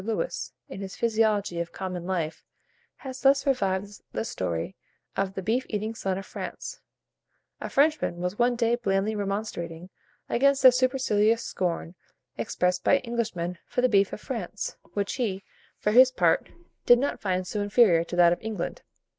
Lewis, in his "Physiology of Common Life," has thus revived the story of the beef eating son of France: "A Frenchman was one day blandly remonstrating against the supercilious scorn expressed by Englishmen for the beef of France, which he, for his part, did not find so inferior to that of England.